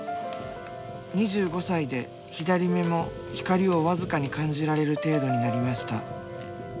２５歳で左目も光を僅かに感じられる程度になりました。